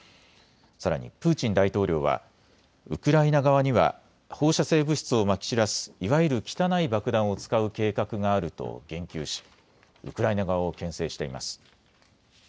さらにプーチン大統領はウクライナ側には放射性物質をまき散らす、いわゆる汚い爆弾を使う計画があると言及しウクライナ側をけん制しています。